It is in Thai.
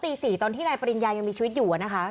ตี๔ตอนที่นายปริญญายังมีชีวิตอยู่นะคะ